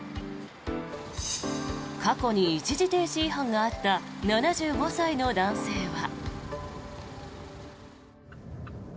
過去に一時停止違反があった７５歳の男性は。